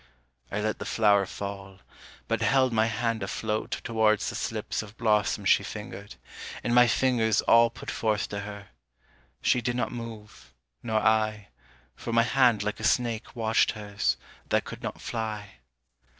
I let the flower fall, But held my hand afloat towards the slips Of blossom she fingered, and my fingers all Put forth to her: she did not move, nor I, For my hand like a snake watched hers, that could not fly.